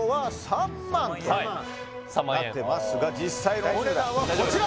３００００円なってますが実際のお値段はこちら！